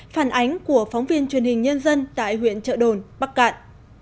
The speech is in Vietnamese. phản ánh của phóng viên truyền hình nhân dân tại huyện trợ đồn bắc cạn